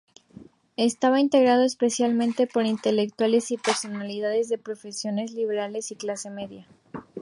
Estaba integrado especialmente por intelectuales, personalidades de profesiones liberales y clase media.